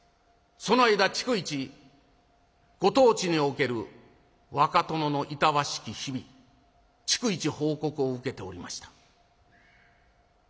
その間逐一ご当地における若殿のいたわしき日々逐一報告を受けておりました」。